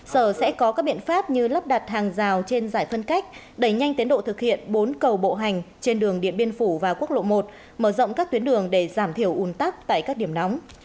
sở sẽ có các biện pháp như lắp đặt hàng rào trên giải phân cách đẩy nhanh tiến độ thực hiện bốn cầu bộ hành trên đường điện biên phủ và quốc lộ một mở rộng các tuyến đường để giảm thiểu un tắc tại các điểm nóng